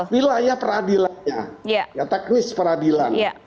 wilayah peradilannya teknis peradilannya